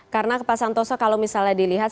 karena pak santoso kalau misalnya dilihat